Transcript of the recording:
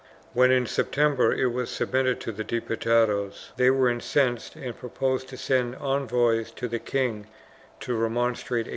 When, in September, it was submitted to the Diputados, they were incensed and proposed to send envoys to the king to remonstrate against it.